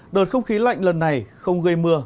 đợt không khí lạnh lần này không gây mưa